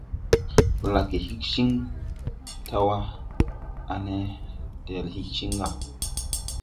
Blagge hig cin taw wa, ane deʼel hig ciŋ ga.